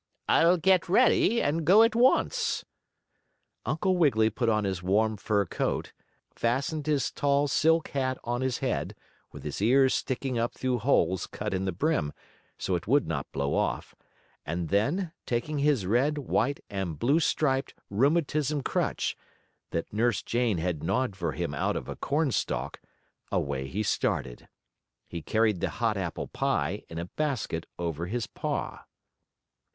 "I'll get ready and go at once." Uncle Wiggily put on his warm fur coat, fastened his tall silk hat on his head, with his ears sticking up through holes cut in the brim, so it would not blow off, and then, taking his red, white and blue striped rheumatism crutch, that Nurse Jane had gnawed for him out of a cornstalk, away he started. He carried the hot apple pie in a basket over his paw.